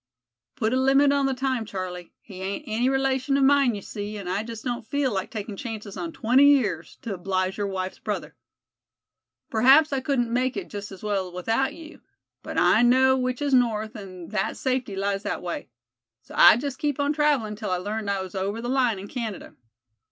"Put a limit on the time, Charlie. He ain't any relation of mine, you see, and I just don't feel like taking chances on twenty years to oblige your wife's brother. P'raps I couldn't make it just as well without you, but I know which is north, an' that safety lies that way; so I'd just keep on travelin' till I learned I was over the line in Canada."